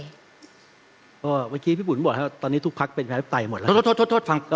เมื่อกี้พี่บุ๋นบอกครับตอนนี้ทุกพักเป็นประชาธิปไตยหมดแล้ว